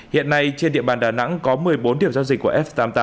hiện nay trên địa bàn đà nẵng có một mươi bốn điểm giao dịch của f tám mươi tám